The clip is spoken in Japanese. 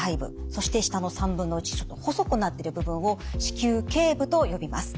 そして下の３分の１ちょっと細くなってる部分を子宮頸部と呼びます。